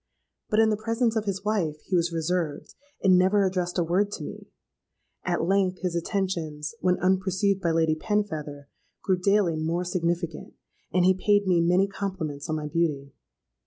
But in the presence of his wife, he was reserved, and never addressed a word to me. At length his attentions, when unperceived by Lady Penfeather, grew daily more significant; and he paid me many compliments on my beauty.